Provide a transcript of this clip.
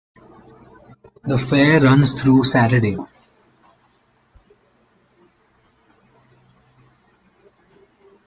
The fair runs through Saturday.